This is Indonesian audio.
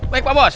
baik pak bos